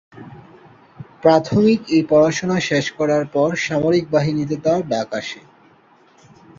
প্রাথমিক এই পড়াশোনা শেষ করার পর সামরিক বাহিনীতে তার ডাক আসে।